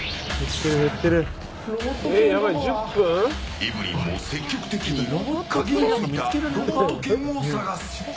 エブリンも積極的にカギのついたロボット犬を探す。